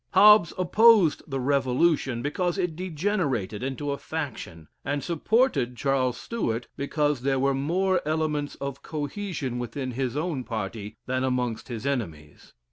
Hobbes opposed the Revolution, because it degenerated into a faction; and supported Charles Stuart because there were more elements of cohesion within his own party, than amongst his enemies.